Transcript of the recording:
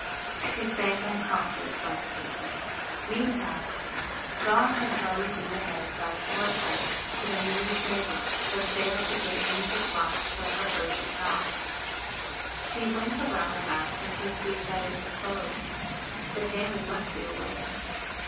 She sank unconscious by the gateway. Meantime, Dawn had hurried through the hedge by a short cut to the nearest neighbor's, but failed to get any response to her urgent knock. She went around the house and perceived that it was closed. The family must be away.